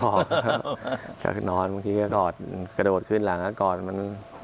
ก็นอนบางทีก็กอดกระโดดขึ้นหลังก็กอดมัน